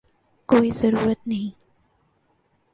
کوئی ضرورت نہیں ہے